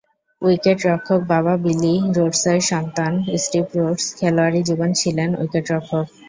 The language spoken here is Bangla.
উইকেটরক্ষক বাবা বিলি রোডসের সন্তান স্টিভ রোডস খেলোয়াড়ি জীবনে ছিলেন উইকেটরক্ষক।